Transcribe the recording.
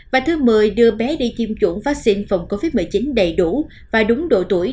và thứ mười đưa bé đi kiêm chuẩn vaccine phòng covid một mươi chín đầy đủ và đúng độ tuổi